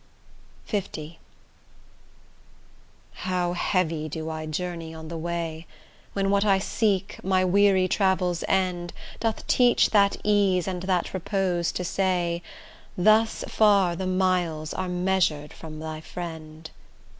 L How heavy do I journey on the way, When what I seek, my weary travel's end, Doth teach that ease and that repose to say, 'Thus far the miles are measured from thy friend!